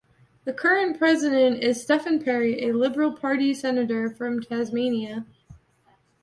The current president is Stephen Parry, a Liberal Party senator from Tasmania.